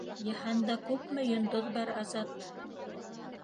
Йыһанда күпме йондоҙ бар, Азат?